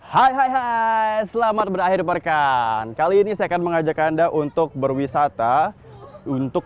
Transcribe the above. hai hai hai selamat berakhir perkan kali ini saya akan mengajak anda untuk berwisata untuk